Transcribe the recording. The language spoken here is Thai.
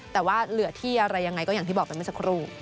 แต่ว่าเหลือที่อะไรยังไงก็อย่างที่บอกไปเมื่อสักครู่